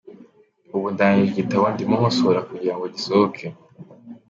Ubu ndangije igitabo ndimo nkosora kugira ngo gisohoke.